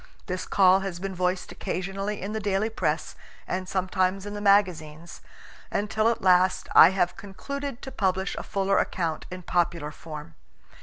This call has been voiced occasionally in the daily press and sometimes in the magazines, until at last I have concluded to publish a fuller account in popular form.